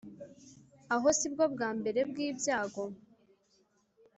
Aho si bwo bwa mbere bw'ibyago